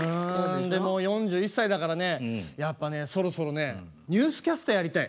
でも４１歳だからねやっぱねそろそろねニュースキャスターやりたい。